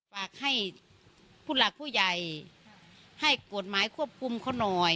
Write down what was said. ฝากให้ผู้หลักผู้ใหญ่ให้กฎหมายควบคุมเขาหน่อย